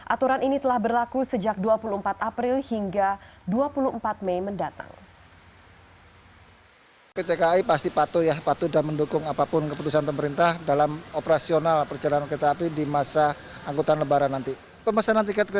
aturan ini telah berlaku sejak dua puluh empat april hingga dua puluh empat mei mendatang